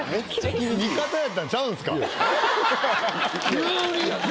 急に。